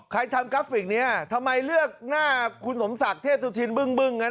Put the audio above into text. ทำกราฟิกนี้ทำไมเลือกหน้าคุณสมศักดิ์เทพสุธินบึ้งงั้น